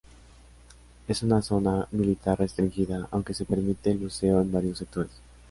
Es una zona militar restringida aunque se permite el buceo en varios sectores.